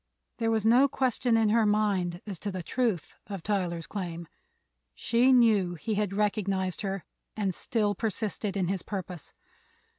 There was no question in her mind as to the truth of Tyler's claim; she knew he had recognized her and still persisted in his purpose.